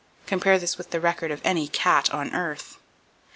Compare this with the record of any cat on earth.